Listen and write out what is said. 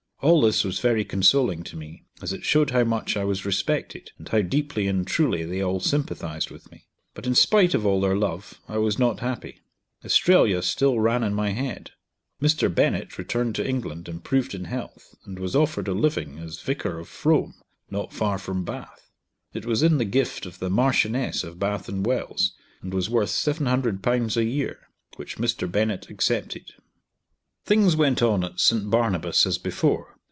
All this was very consoling to me, as it showed how much I was respected, and how deeply and truly they all sympathised with me. But in spite of all their love I was not happy; Australia still ran in my head. Mr. Bennett returned to England improved in health, and was offered a living as vicar of Frome, not far from Bath. It was in the gift of the Marchioness of Bath and Wells, and was worth Ł700 a year, which Mr. Bennett accepted. Things went on at St. Barnabas as before.